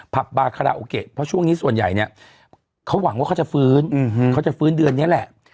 บาคาราโอเกะเพราะช่วงนี้ส่วนใหญ่เนี่ยเขาหวังว่าเขาจะฟื้นเขาจะฟื้นเดือนนี้แหละ